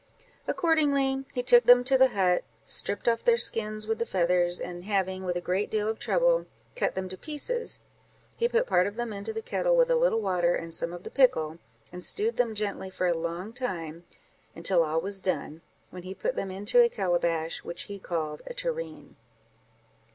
Accordingly he took them to the hut, stripped off their skins, with the feathers, and having, with a great deal of trouble, cut them to pieces, he put part of them into the kettle, with a little water and some of the pickle, and stewed them gently for a long time, until all was done, when he put them into a calibash, which he called a tureen.